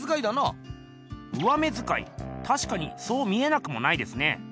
上目づかいたしかにそう見えなくもないですね。